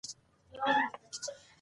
غرونه د افغانستان د اقلیم ځانګړتیا ده.